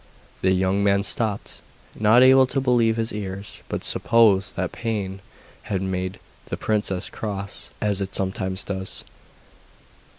The young man stopped, not able to believe his ears, but supposed that pain had made the princess cross, as it sometimes does.